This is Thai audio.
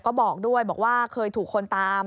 ก็บอกด้วยบอกว่าเคยถูกคนตาม